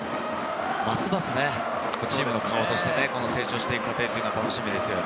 ますますね、チームの顔として成長していく過程が楽しみです。